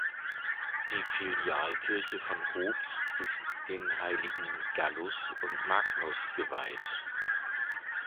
Die Filialkirche von Hofs ist den Heiligen Gallus und Magnus geweiht.